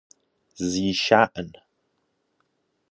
ذی شان